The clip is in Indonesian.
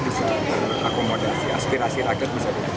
bisa berakomodasi aspirasi rakyat bisa berakomodasi